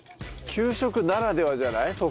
給食ならではじゃない？